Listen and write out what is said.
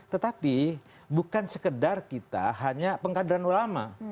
tetapi bukan sekedar kita hanya pengkaderan ulama